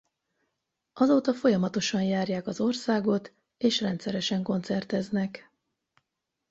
Azóta folyamatosan járják az országot és rendszeresen koncerteznek.